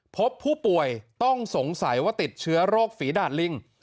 พบผู้ป่วยต้องสงสัยว่าติดเชื้อโรคฝีดาดลิง